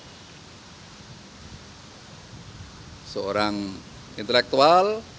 jadi seorang intelektual